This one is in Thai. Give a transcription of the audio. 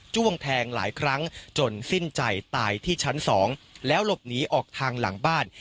้วงแทงหลายครั้งจนสิ้นใจตายที่ชั้น๒แล้วหลบหนีออกทางหลังบ้าน